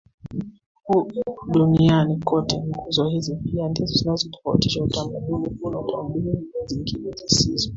huu duniani kote Nguzo hizi pia ndizo zinazoutofautisha utamaduni huu na tamaduni zingine zisizo